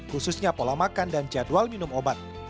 khususnya pola makan dan jadwal minum obat